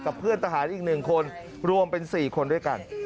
เพื่อนทหารอีก๑คนรวมเป็น๔คนด้วยกัน